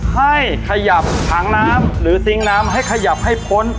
ให้ขยับถังน้ำหรือซิงค์น้ำให้ขยับให้พ้น